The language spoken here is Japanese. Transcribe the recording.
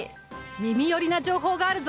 耳寄りな情報があるぞ！